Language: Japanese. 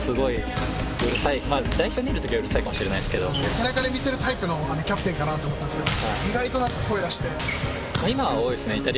背中で見せるタイプのキャプテンかなと思ったんですけど。